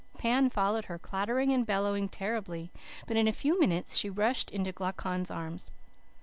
Pan followed her, clattering and bellowing terribly, but in a few minutes she rushed into Glaucon's arms.